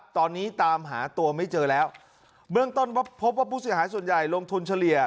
ตอนนี้ตามหาตัวไม่เจอแล้วเบื้องต้นพบว่าผู้เสียหายส่วนใหญ่ลงทุนเฉลี่ย